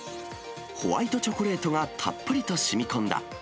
ホワイトチョコレートがたっぷりとしみこんだ